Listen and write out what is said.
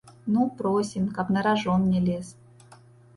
Ну просім, каб на ражон не лез.